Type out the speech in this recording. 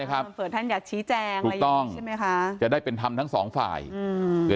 ครับท่านอยากชี้แจงใช่ไหมคะจะได้เป็นธรรมทั้งสองฝ่ายหรือ